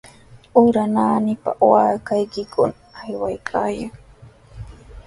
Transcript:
Ura naanipami waakaykikuna aywaykaayan.